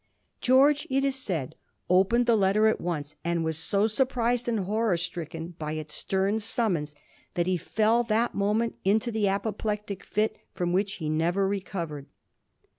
George, it is said, opened the letter at once, aud was so surprised and horror stricken by its stem summons that he fell that moment into the apoplectic fit from which he never recovered.